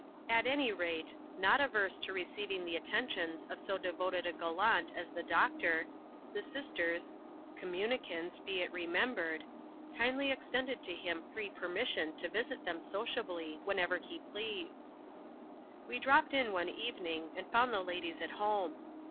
At any rate, not averse to receiving the atten tions of so devoted a gallant as the doctor, the sisters (com municants, be it remembered) kindly extended to him free permisMon to visit them sociably whenever he pleased. We dropped in one evening, and found the ladies at home.